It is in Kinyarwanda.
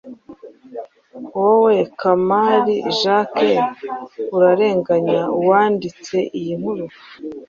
wowe Kamali Jacques urarenganya uwanditse iyi nkuru